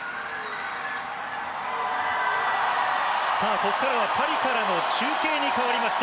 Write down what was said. ここからはパリからの中継に変わりました。